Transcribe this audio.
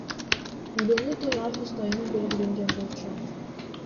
Үйлөнүү той август айына белгиленген болчу.